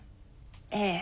ええ。